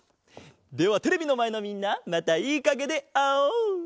ではテレビのまえのみんなまたいいかげであおう！